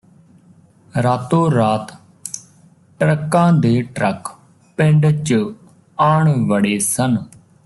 ਰਾਤੋ ਰਾਤ ਟਰੱਕਾਂ ਦੇ ਟਰੱਕ ਪਿੰਡ ਚ ਆਣ ਵੜੇ ਸਨ